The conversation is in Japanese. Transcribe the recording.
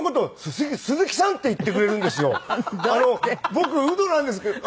僕ウドなんですけど。